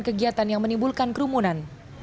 kegiatan yang menimbulkan kerumunan